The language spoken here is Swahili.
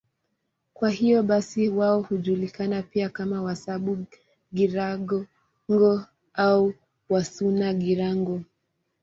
Kwa hiyo basi wao hujulikana pia kama Wasuba-Girango au Wasuna-Girango.